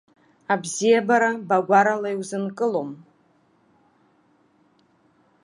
Абзиабара багәарала иузынкылом.